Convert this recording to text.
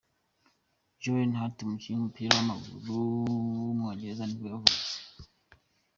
Joe Hart, umukinnyi w’umupira w’amaguru w’umwongereza nibwo yavutse.